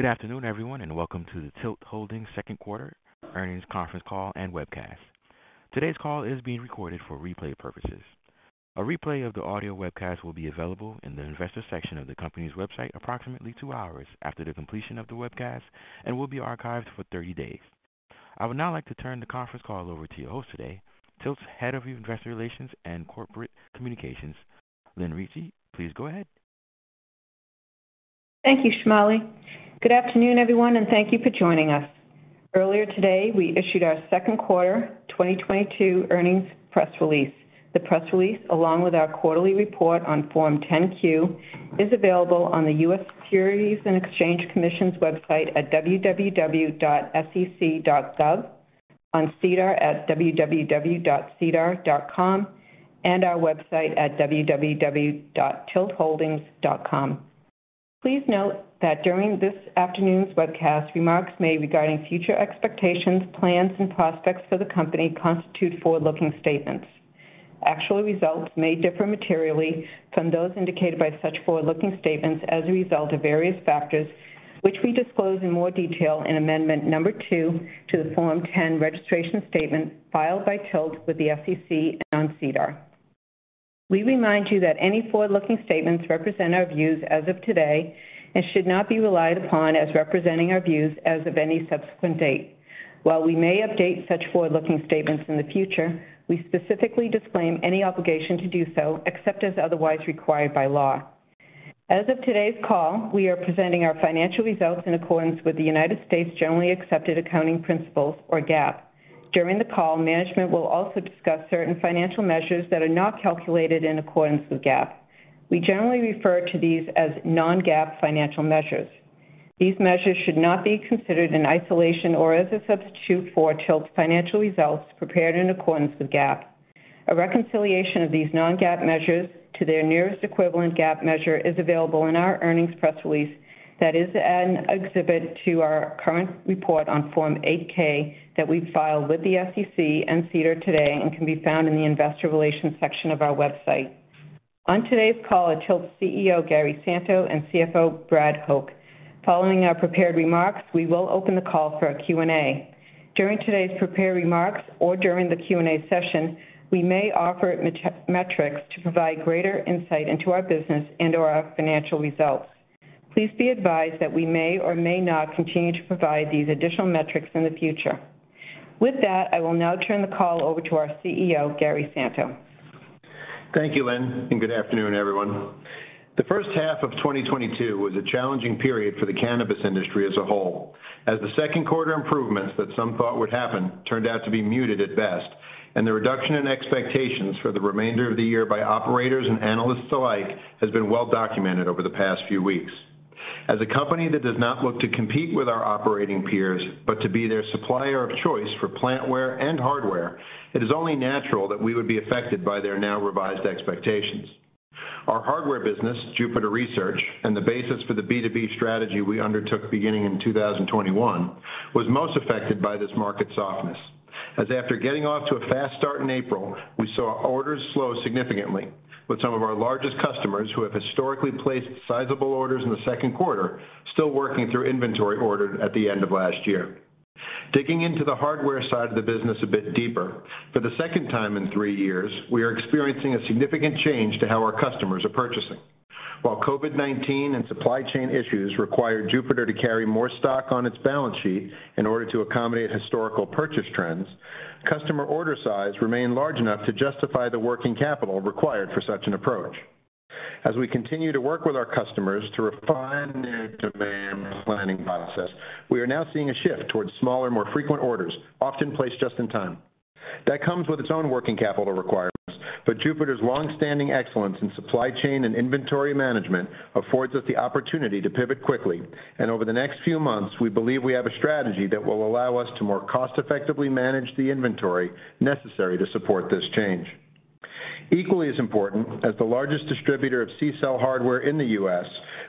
Good afternoon, everyone, and welcome to the TILT Holdings second quartervearnings conference call and webcast. Today's call is being recorded for replay purposes. A replay of the audio webcast will be available in the investor section of the company's website approximately two hours after the completion of the webcast and will be archived for 30 days. I would now like to turn the conference call over to your host today, TILT's Head of Investor Relations and Corporate Communications, Lynn Ricci. Please go ahead. Thank you, Shamali. Good afternoon, everyone, and thank you for joining us. Earlier today, we issued our second quarter 2022 earnings press release. The press release, along with our quarterly report on Form 10-Q, is available on the U.S. Securities and Exchange Commission's website at www.sec.gov, on SEDAR at www.sedar.com, and our website at www.tiltholdings.com. Please note that during this afternoon's webcast, remarks made regarding future expectations, plans, and prospects for the company constitute forward-looking statements. Actual results may differ materially from those indicated by such forward-looking statements as a result of various factors, which we disclose in more detail in Amendment Number 2 to the Form 10 registration statement filed by TILT with the SEC and on SEDAR. We remind you that any forward-looking statements represent our views as of today and should not be relied upon as representing our views as of any subsequent date. While we may update such forward-looking statements in the future, we specifically disclaim any obligation to do so except as otherwise required by law. As of today's call, we are presenting our financial results in accordance with the United States generally accepted accounting principles or GAAP. During the call, management will also discuss certain financial measures that are not calculated in accordance with GAAP. We generally refer to these as non-GAAP financial measures. These measures should not be considered in isolation or as a substitute for TILT's financial results prepared in accordance with GAAP. A reconciliation of these non-GAAP measures to their nearest equivalent GAAP measure is available in our earnings press release that is an exhibit to our current report on Form 8-K that we filed with the SEC and SEDAR today and can be found in the investor relations section of our website. On today's call are TILT's CEO, Gary Santo, and CFO, Brad Hoch. Following ourvprepared remarks, we will open the call for a Q&A. During today's prepared remarks or during the Q&A session, we may offer non-GAAP metrics to provide greater insight into our business and/or our financial results. Please be advised that we may or may not continue to provide these additional metrics in the future. With that, I will now turn the call over to our CEO, Gary Santo. Thank you, Lynn, and good afternoon, everyone. The first half of 2022 was a challenging period for the cannabis industry as a whole, as the second quarter improvements that some thought would happen turned out to be muted at best, and the reduction in expectations for the remainder of the year by operators and analysts alike has been well documented over the past few weeks. As a company that does not look to compete with our operating peers, but to be their supplier of choice for plantware and hardware, it is only natural that we would be affected by their now revised expectations. Our hardware business, Jupiter Research, and the basis for the B2B strategy we undertook beginning in 2021, was most affected by this market softness, as after getting off to a fast start in April, we saw orders slow significantly with some of our largest customers who have historically placed sizable orders in the second quarter, still working through inventory ordered at the end of last year. Digging into the hardware side of the business a bit deeper, for the second time in three years, we are experiencing e significant change to how our customers are purchasing. While COVID-19 and supply chain issues required Jupiter to carry more stock on its balance sheet in order to accommodate historical purchase trends, customer order size remained large enough to justify the working capital required for such an approach. As we continue to work with our customers to refine their demand planning process, we are now seeing a shift towards smaller, more frequent orders, often placed just in time. That comes with its own working capital requirements, but Jupiter's long-standing excellence in supply chain and inventory management affords us the opportunity to pivot quickly. Over the next few months, we believe we have a strategy that will allow us to more cost-effectively manage the inventory necessary to support this change. Equally as important, as the largest distributor of CCELL hardware in the U.S.,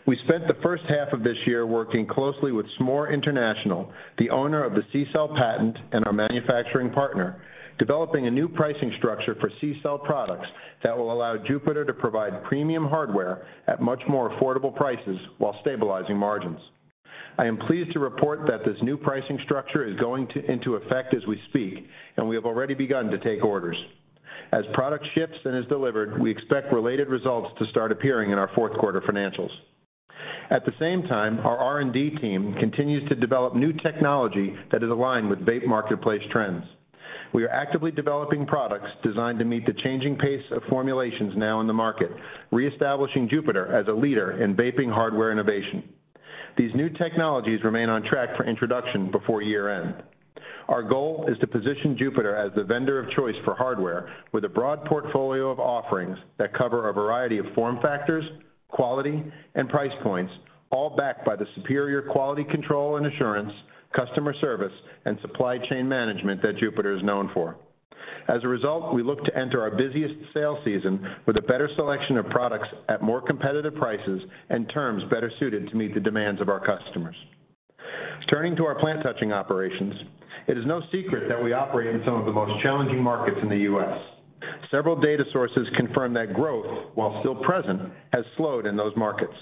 we spent the first half of this year working closely with Smoore International, the owner of the CCELL patent and our manufacturing partner, developing a new pricing structure for CCELL products that will allow Jupiter to provide premium hardware at much more affordable prices while stabilizing margins. I am pleased to report that this new pricing structure is going into effect as we speak, and we have already begun to take orders. As product ships and is delivered, we expect related results to start appearing in our fourth quarter financials. At the same time, our R&D team continues to develop new technology that is aligned with vape marketplace trends. We are actively developing products designed to meet the changing pace of formulations now in the market, reestablishing Jupiter as a leader in vaping hardware innovation. These new technologies remain on track for introduction before year-end. Our goal is to position Jupiter as the vendor of choice for hardware with a broad portfolio of offerings that cover a variety of form factors, quality, and price points, all backed by the superior quality control and assurance, customer service, and supply chain management that Jupiter is known for. As a result, we look to enter our busiest sales season with a better selection of products at more competitive prices and terms better suited to meet the demands of our customers. Turning to our plant touching operations, it is no secret that we operate in some of the most challenging markets in the U.S. Several data sources confirm that growth, while still present, has slowed in those markets.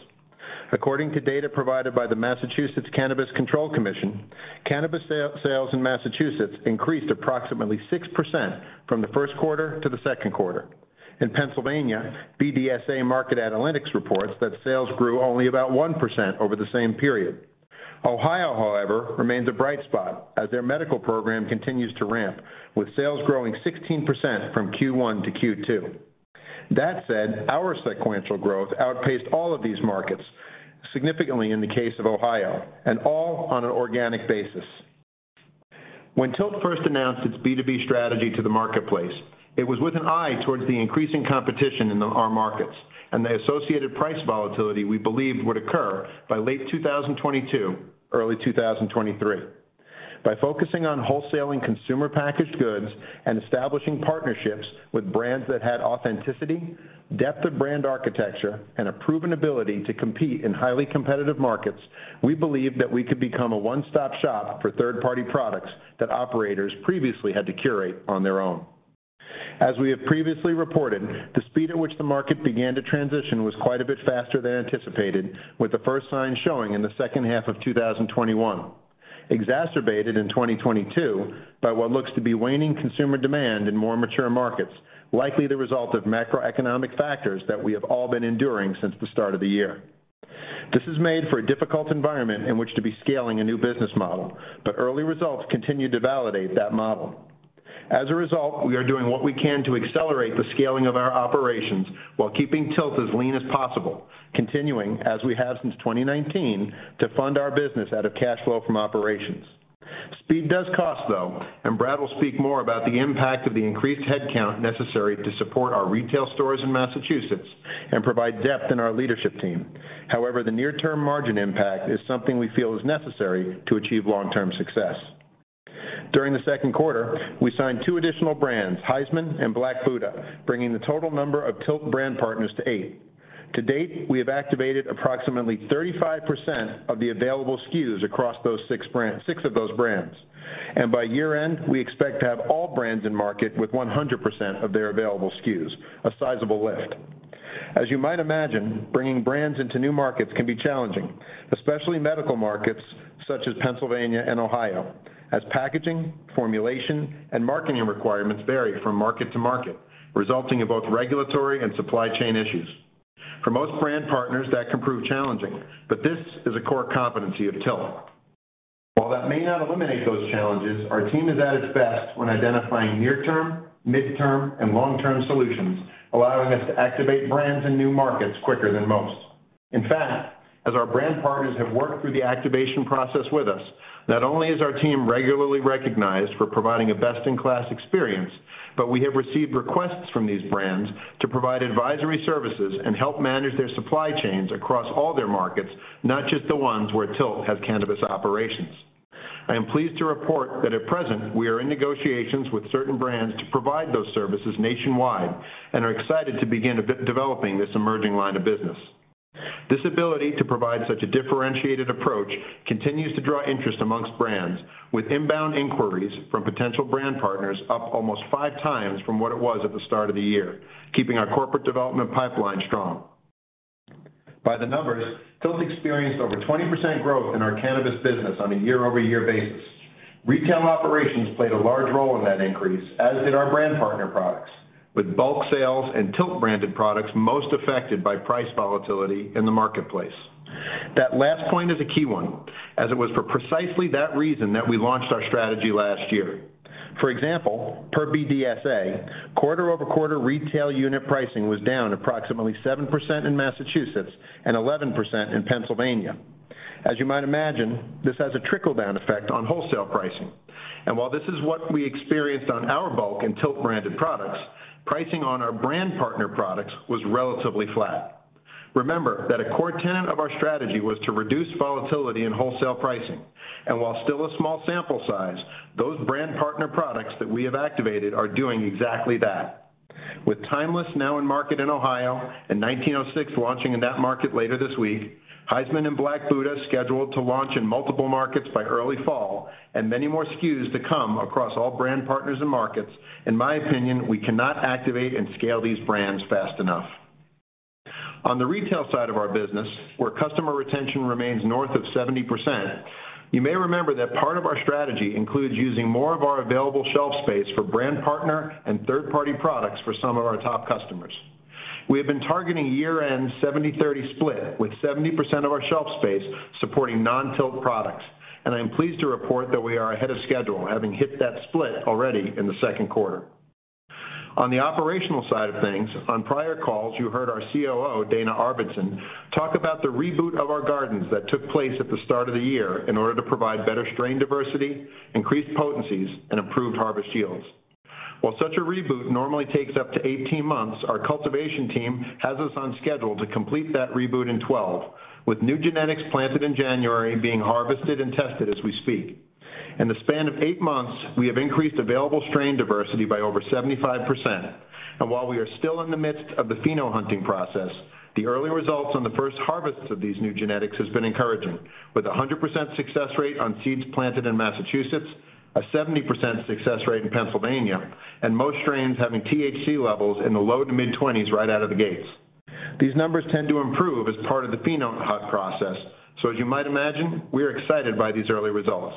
According to data provided by the Massachusetts Cannabis Control Commission, cannabis sales in Massachusetts increased approximately 6% from the first quarter to the second quarter. In Pennsylvania, BDSA Market Analytics reports that sales grew only about 1% over the same period. Ohio, however, remains a bright spot as their medical program continues to ramp, with sales growing 16% from Q1 to Q2. That said, our sequential growth outpaced all of these markets, significantly in the case of Ohio, and all on an organic basis. When TILT first announced its B2B strategy to the marketplace, it was with an eye towards the increasing competition in our markets and the associated price volatility we believed would occur by late 2022, early 2023. By focusing on wholesaling consumer packaged goods and establishing partnerships with brands that had authenticity, depth of brand architecture, and a proven ability to compete in highly competitive markets, we believed that we could become a one-stop shop for third-party products that operators previously had to curate on their own. As we have previously reported, the speed at which the market began to transition was quite a bit faster than anticipated, with the first signs showing in the second half of 2021, exacerbated in 2022 by what looks to be waning consumer demand in more mature markets, likely the result of macroeconomic factors that we have all been enduring since the start of the year. This is made for a difficult environment in which to be scaling a new business model, but early results continue to validate that model. As a result, we are doing what we can to accelerate the scaling of our operations while keeping TILT as lean as possible, continuing, as we have since 2019, to fund our business out of cash flow from operations. Speed does cost, though, and Brad will speak more about the impact of the increased headcount necessary to support our retail stores in Massachusetts and provide depth in our leadership team. However, the near-term margin impact is something we feel is necessary to achieve long-term success. During the second quarter, we signed two additional brands, Highsman and Black Buddha, bringing the total number of TILT brand partners to eight. To date, we have activated approximately 35% of the available SKUs across those six brands, six of those brands. By year-end, we expect to have all brands in market with 100% of their available SKUs, a sizable lift. As you might imagine, bringing brands into new markets can be challenging, especially medical markets such as Pennsylvania and Ohio, as packaging, formulation, and marketing requirements vary from market to market, resulting in both regulatory and supply chain issues. For most brand partners, that can prove challenging, but this is a core competency of TILT. While that may not eliminate those challenges, our team is at its best when identifying near-term, mid-term, and long-term solutions, allowing us to activate brands in new markets quicker than most. In fact, as our brand partners have worked through the activation process with us, not only is our team regularly recognized for providing a best-in-class experience, but we have received requests from these brands to provide advisory services and help manage their supply chains across all their markets, not just the ones where TILT has cannabis operations. I am pleased to report that at present, we are in negotiations with certain brands to provide those services nationwide and are excited to begin developing this emerging line of business. This ability to provide such a differentiated approach continues to draw interest among brands, with inbound inquiries from potential brand partners up almost 5x from what it was at the start of the year, keeping our corporate development pipeline strong. By the numbers, TILT experienced over 20% growth in our cannabis business on a year-over-year basis. Retail operations played a large role in that increase, as did our brand partner products, with bulk sales and TILT-branded products most affected by price volatility in the marketplace. That last point is a key one, as it was for precisely that reason that we launched our strategy last year. For example, per BDSA, quarter-over-quarter retail unit pricing was down approximately 7% in Massachusetts and 11% in Pennsylvania. As you might imagine, this has a trickle-down effect on wholesale pricing. While this is what we experienced on our bulk in TILT-branded products, pricing on our brand partner products was relatively flat. Remember that a core tenet of our strategy was to reduce volatility in wholesale pricing. While still a small sample size, those brand partner products that we have activated are doing exactly that. With Timeless now in market in Ohio and 1906 launching in that market later this week, Highsman and Black Buddha scheduled to launch in multiple markets by early fall, and many more SKUs to come across all brand partners and markets, in my opinion, we cannot activate and scale these brands fast enough. On the retail side of our business, where customer retention remains north of 70%, you may remember that part of our strategy includes using more of our available shelf space for brand partner and third-party products for some of our top customers. We have been targeting year-end 70-30 split, with 70% of our shelf space supporting non-TILT products, and I am pleased to report that we are ahead of schedule, having hit that split already in the second quarter. On the operational side of things, on prior calls, you heard our COO, Dana Arvidson, talk about the reboot of our gardens that took place at the start of the year in order to provide better strain diversity, increased potencies, and improved harvest yields. While such a reboot normally takes up to 18 months, our cultivation team has us on schedule to complete that reboot in 12, with new genetics planted in January being harvested and tested as we speak. In the span of eight months, we have increased available strain diversity by over 75%. While we are still in the midst of the pheno hunting process, the early results on the first harvests of these new genetics has been encouraging, with a 100% success rate on seeds planted in Massachusetts, a 70% success rate in Pennsylvania, and most strains having THC levels in the low to mid-20s right out of the gates. These numbers tend to improve as part of the pheno hunt process. As you might imagine, we are excited by these early results.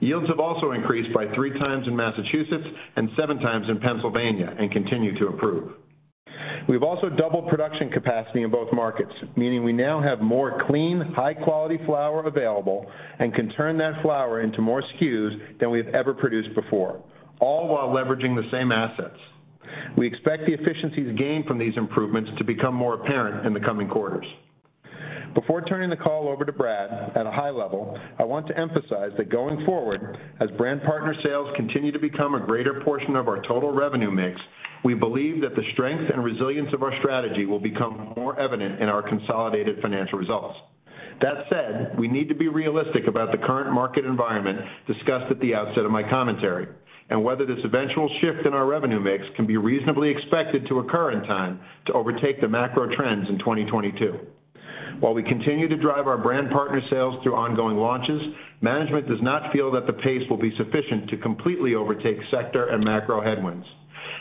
Yields have also increased by three times in Massachusetts and seven times in Pennsylvania and continue to improve. We've also doubled production capacity in both markets, meaning we now have more clean, high-quality flower available and can turn that flower into more SKUs than we have ever produced before, all while leveraging the same assets. We expect the efficiencies gained from these improvements to become more apparent in the coming quarters. Before turning the call over to Brad, at a high level, I want to emphasize that going forward, as brand partner sales continue to become a greater portion of our total revenue mix, we believe that the strength and resilience of our strategy will become more evident in our consolidated financial results. That said, we need to be realistic about the current market environment discussed at the outset of my commentary, and whether this eventual shift in our revenue mix can be reasonably expected to occur in time to overtake the macro trends in 2022. While we continue to drive our brand partner sales through ongoing launches, management does not feel that the pace will be sufficient to completely overtake sector and macro headwinds.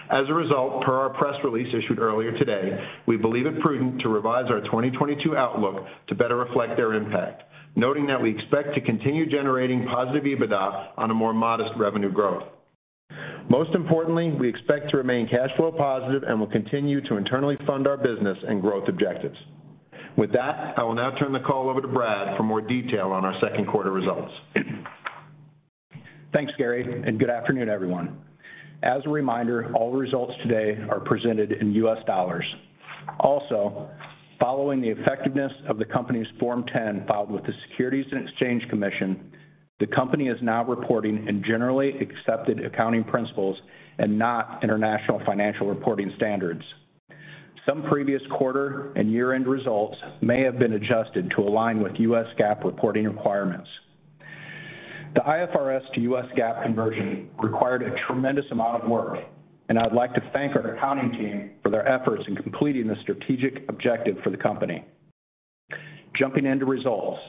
As a result, per our press release issued earlier today, we believe it prudent to revise our 2022 outlook to better reflect their impact, noting that we expect to continue generating positive EBITDA on a more modest revenue growth. Most importantly, we expect to remain cash flow positive and will continue to internally fund our business and growth objectives. With that, I will now turn the call over to Brad for more detail on our second quarter results. Thanks, Gary, and good afternoon, everyone. As a reminder, all results today are presented in U.S. dollars. Also, following the effectiveness of the company's Form 10 filed with the Securities and Exchange Commission, the company is now reporting in generally accepted accounting principles and not international financial reporting standards. Some previous quarter and year-end results may have been adjusted to align with U.S. GAAP reporting requirements. The IFRS to U.S. GAAP conversion required a tremendous amount of work, and I would like to thank our accounting team for their efforts in completing this strategic objective for the company. Jumping into results.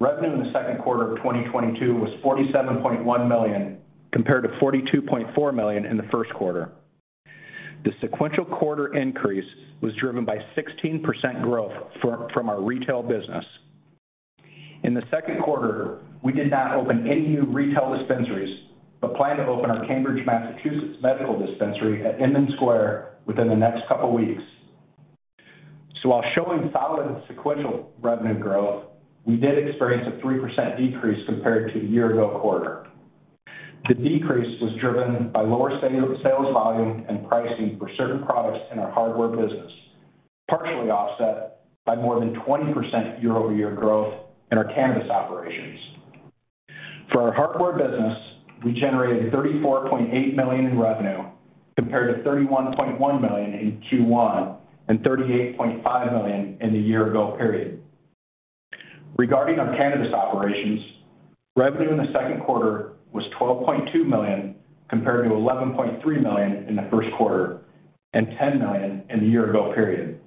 Revenue in the second quarter of 2022 was $47.1 million, compared to $42.4 million in the first quarter. The sequential quarter increase was driven by 16% growth from our retail business. In the second quarter, we did not open any new retail dispensaries, but plan to open our Cambridge, Massachusetts medical dispensary at Inman Square within the next couple weeks. While showing solid sequential revenue growth, we did experience a 3% decrease compared to a year-ago quarter. The decrease was driven by lower sales volume and pricing for certain products in our hardware business, partially offset by more than 20% year-over-year growth in our cannabis operations. For our hardware business, we generated $34.8 million in revenue, compared to $31.1 million in Q1 and $38.5 million in the year-ago period. Regarding our cannabis operations, revenue in the second quarter was $12.2 million, compared to $11.3 million in the first quarter and $10 million in the year-ago period.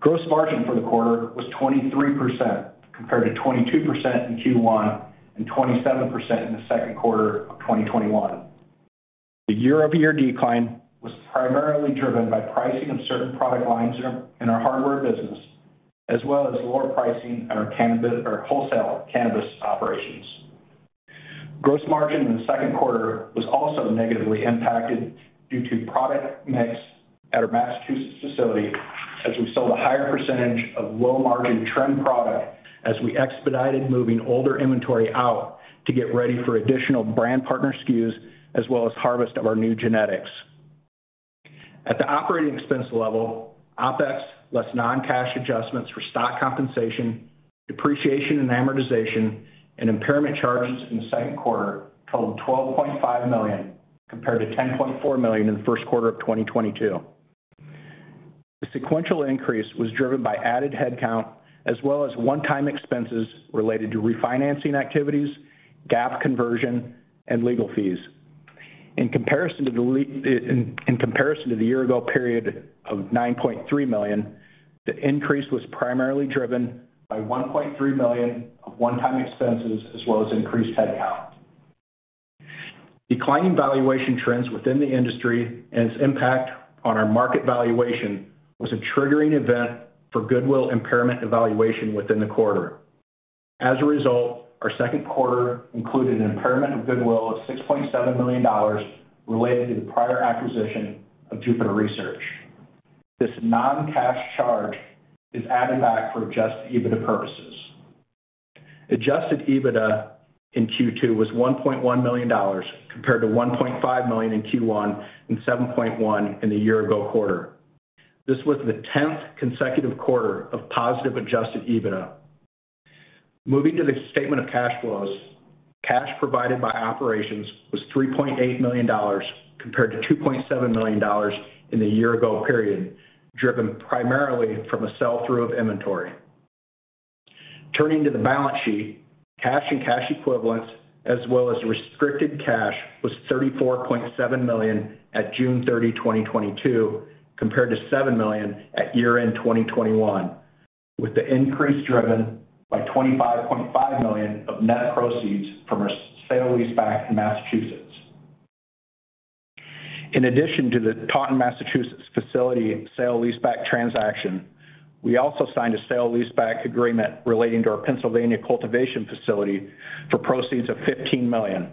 Gross margin for the quarter was 23%, compared to 22% in Q1 and 27% in the second quarter of 2021. The year-over-year decline was primarily driven by pricing of certain product lines in our hardware business, as well as lower pricing at our wholesale cannabis operations. Gross margin in the second quarter was also negatively impacted due to product mix at our Massachusetts facility as we sold a higher percentage of low-margin trim product as we expedited moving older inventory out to get ready for additional brand partner SKUs as well as harvest of our new genetics. At the operating expense level, OpEx, less non-cash adjustments for stock compensation, depreciation and amortization, and impairment charges in the second quarter totaled $12.5 million, compared to $10.4 million in the first quarter of 2022. The sequential increase was driven by added headcount as well as one-time expenses related to refinancing activities, GAAP conversion, and legal fees. In comparison to the year-ago period of $9.3 million, the increase was primarily driven by $1.3 million of one-time expenses as well as increased headcount. Declining valuation trends within the industry and its impact on our market valuation was a triggering event for goodwill impairment evaluation within the quarter. As a result, our second quarter included an impairment of goodwill of $6.7 million related to the prior acquisition of Jupiter Research. This non-cash charge is added back for adjusted EBITDA purposes. Adjusted EBITDA in Q2 was $1.1 million, compared to $1.5 million in Q1 and $7.1 million in the year-ago quarter. This was the 10th consecutive quarter of positive adjusted EBITDA. Moving to the statement of cash flows. Cash provided by operations was $3.8 million compared to $2.7 million in the year ago period, driven primarily from a sell-through of inventory. Turning to the balance sheet, cash and cash equivalents, as well as restricted cash, was $34.7 million at June 30, 2022, compared to $7 million at year-end 2021, with the increase driven by $25.5 million of net proceeds from our sale leaseback in Massachusetts. In addition to the Taunton, Massachusetts facility sale leaseback transaction, we also signed a sale leaseback agreement relating to our Pennsylvania cultivation facility for proceeds of $15 million.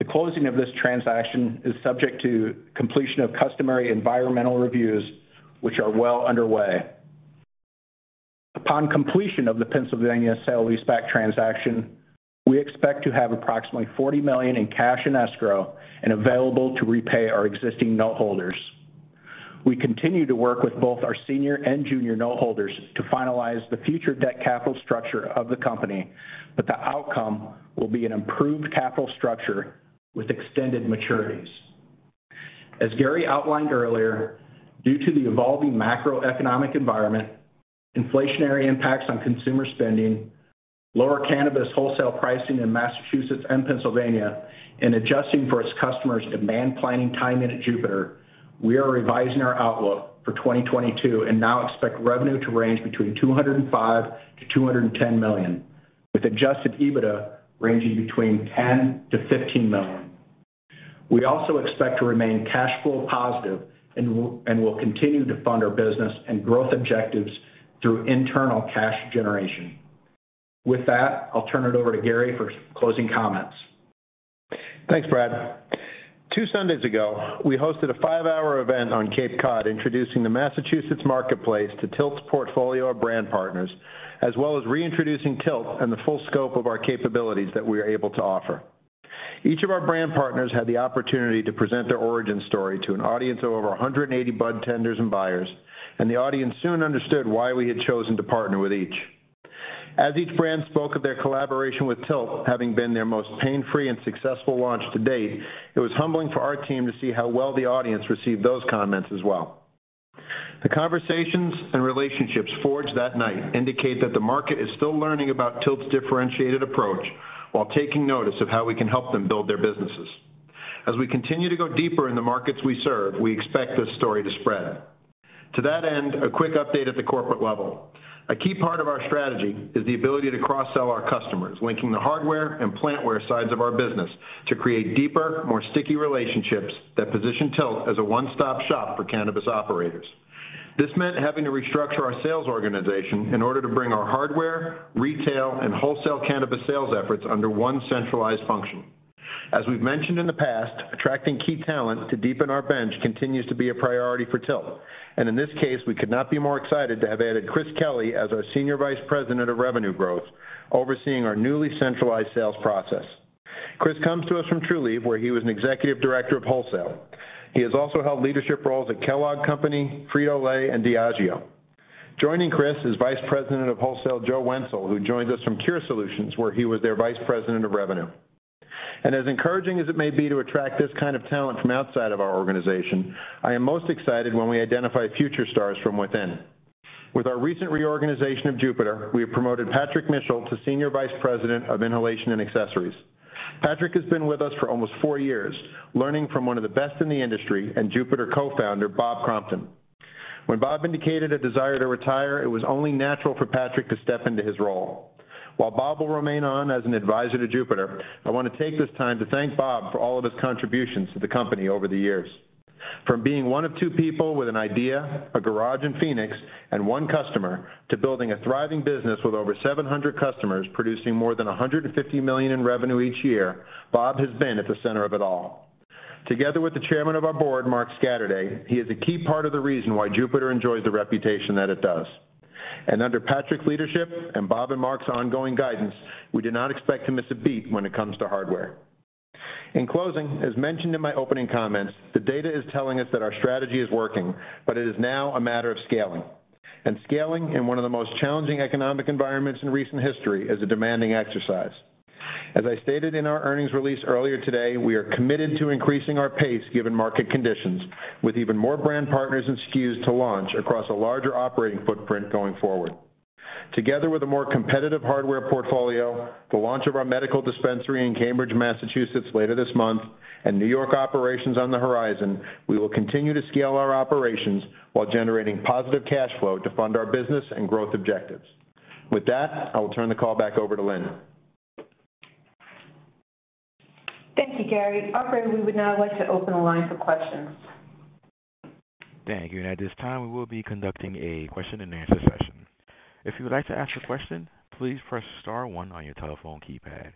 The closing of this transaction is subject to completion of customary environmental reviews, which are well underway. Upon completion of the Pennsylvania sale leaseback transaction, we expect to have approximately $40 million in cash in escrow and available to repay our existing note holders. We continue to work with both our senior and junior note holders to finalize the future debt capital structure of the company, but the outcome will be an improved capital structure with extended maturities. As Gary outlined earlier, due to the evolving macroeconomic environment, inflationary impacts on consumer spending, lower cannabis wholesale pricing in Massachusetts and Pennsylvania, and adjusting for its customers' demand planning time into Jupiter, we are revising our outlook for 2022 and now expect revenue to range between $205 million-$210 million with adjusted EBITDA ranging between $10 million-$15 million. We also expect to remain cash flow positive and will continue to fund our business and growth objectives through internal cash generation. With that, I'll turn it over to Gary for closing comments. Thanks, Brad. Two Sundays ago, we hosted a five-hour event on Cape Cod introducing the Massachusetts marketplace to TILT's portfolio of brand partners, as well as reintroducing TILT and the full scope of our capabilities that we are able to offer. Each of our brand partners had the opportunity to present their origin story to an audience of over 180 bud tenders and buyers, and the audience soon understood why we had chosen to partner with each. As each brand spoke of their collaboration with TILT having been their most pain-free and successful launch to date, it was humbling for our team to see how well the audience received those comments as well. The conversations and relationships forged that night indicate that the market is still learning about TILT's differentiated approach while taking notice of how we can help them build their businesses. As we continue to go deeper in the markets we serve, we expect this story to spread. To that end, a quick update at the corporate level. A key part of our strategy is the ability to cross-sell our customers, linking the hardware and plantware sides of our business to create deeper, more sticky relationships that position TILT as a one-stop-shop for cannabis operators. This meant having to restructure our sales organization in order to bring our hardware, retail, and wholesale cannabis sales efforts under one centralized function. As we've mentioned in the past, attracting key talent to deepen our bench continues to be a priority for TILT, and in this case, we could not be more excited to have added Chris Kelly as our Senior Vice President of Revenue Growth, overseeing our newly centralized sales process. Chris comes to us from Trulieve, where he was anexecutive director of wholesale. He has also held leadership roles at Kellogg Company, Frito-Lay, and Diageo. Joining Chris is Vice President of Wholesale, Joe Wentzel, who joins us from Cure Solutions, where he was their vice president of revenue. As encouraging as it may be to attract this kind of talent from outside of our organization, I am most excited when we identify future stars from within. With our recent reorganization of Jupiter, we have promoted Patrick Mitchell to Senior Vice President of Inhalation and Accessories. Patrick has been with us for almost four years, learning from one of the best in the industry and Jupiter co-founder, Bob Crompton. When Bob indicated a desire to retire, it was only natural for Patrick to step into his role. While Bob will remain on as an advisor to Jupiter, I want to take this time to thank Bob for all of his contributions to the company over the years. From being one of two people with an idea, a garage in Phoenix, and one customer, to building a thriving business with over 700 customers producing more than $150 million in revenue each year, Bob has been at the center of it all. Together with the Chairman of our board, Mark Scatterday, he is a key part of the reason why Jupiter enjoys the reputation that it does. Under Patrick's leadership and Bob and Mark's ongoing guidance, we do not expect to miss a beat when it comes to hardware. In closing, as mentioned in my opening comments, the data is telling us that our strategy is working, but it is now a matter of scaling. Scaling in one of the most challenging economic environments in recent history is a demanding exercise. As I stated in our earnings release earlier today, we are committed to increasing our pace given market conditions, with even more brand partners and SKUs to launch across a larger operating footprint going forward. Together with a more competitive hardware portfolio, the launch of our medical dispensary in Cambridge, Massachusetts, later this month, and New York operations on the horizon, we will continue to scale our operations while generating positive cash flow to fund our business and growth objectives. With that, I will turn the call back over to Lynn. Thank you, Gary. Operator, we would now like to open the line for questions. Thank you. At this time, we will be conducting a question and answer session. If you would like to ask a question, please press star one on your telephone keypad.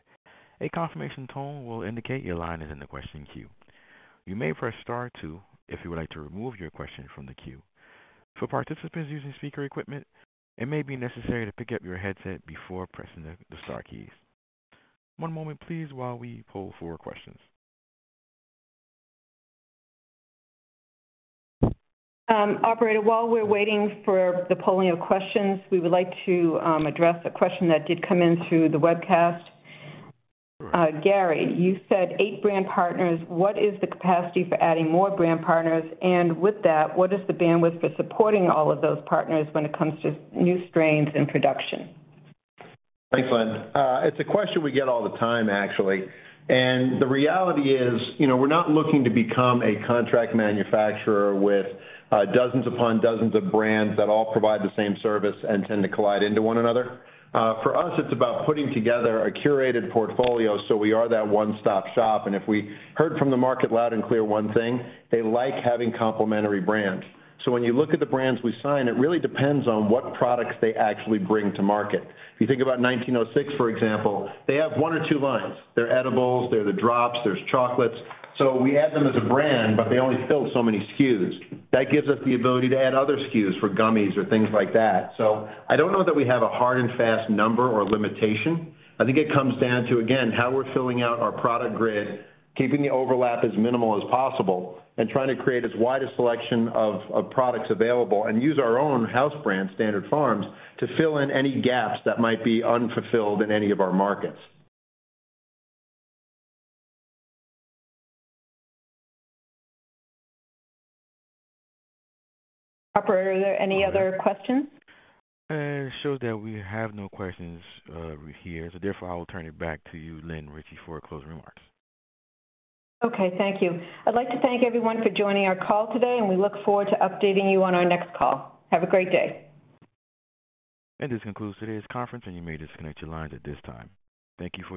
A confirmation tone will indicate your line is in the question queue. You may press star two if you would like to remove your question from the queue. For participants using speaker equipment, it may be necessary to pick up your headset before pressing the star keys. One moment please while we poll for questions. Operator, while we're waiting for the polling of questions, we would like to address a question that did come in through the webcast. Gary, you said eight brand partners. What is the capacity for adding more brand partners? With that, what is the bandwidth for supporting all of those partners when it comes to new strains and production? Thanks, Lynn. It's a question we get all the time, actually. The reality is, you know, we're not looking to become a contract manufacturer with dozens upon dozens of brands that all provide the same service and tend to collide into one another. For us, it's about putting together a curated portfolio, so we are that one-stop shop. If we heard from the market loud and clear one thing, they like having complementary brands. When you look at the brands we sign, it really depends on what products they actually bring to market. If you think about 1906, for example, they have one or two lines. They're edibles, they're the drops, there's chocolates. We add them as a brand, but they only fill so many SKUs. That gives us the ability to add other SKUs for gummies or things like that. I don't know that we have a hard and fast number or limitation. I think it comes down to, again, how we're filling out our product grid, keeping the overlap as minimal as possible, and trying to create as wide a selection of products available and use our own house brand, Standard Farms, to fill in any gaps that might be unfulfilled in any of our markets. Operator, are there any other questions? It shows that we have no questions here, so therefore, I will turn it back to you, Lynn Ricci, for closing remarks. Okay, thank you. I'd like to thank everyone for joining our call today, and we look forward to updating you on our next call. Have a great day. This concludes today's conference, and you may disconnect your lines at this time. Thank you for-